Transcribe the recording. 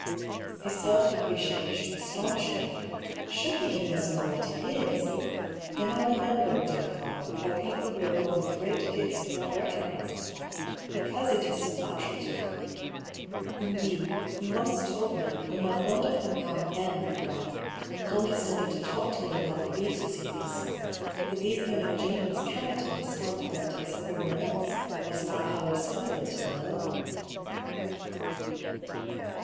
His self depreciation astonished me. Surely he must know what he isl Then I remembered, dear father, how people who are born with great gifts do not recog nise the fact because it is so natural to them. Indeed, you once told me, when that wonderful man M condescended to talk to me about the beetles he had discovered, that these men of genius cannot understand how it is everyone else has not powers similar to their own.